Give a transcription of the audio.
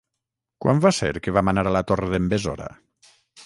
Quan va ser que vam anar a la Torre d'en Besora?